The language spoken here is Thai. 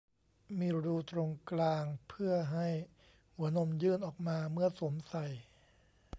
มีรูตรงกลาง เพื่อให้หัวนมยื่นออกมาเมื่อสวมใส่